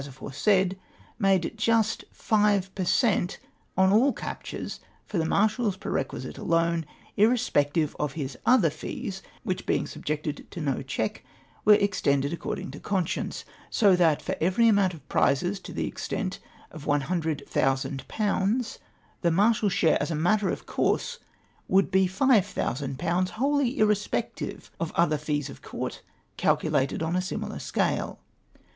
169 aforesaid, imside iiist Jive jier cent on all captures for tlic Marshal's perquisite alone, irrespective of bis other fees; wliich, being subjected to no check, were extended ac cording to conscience. So that, for every amount of prizes to the extent of 100,000/. the Marshal's share, as a matter of course, would be 5000/., wholly irre spective of other fees of Court calculated on a similar scale.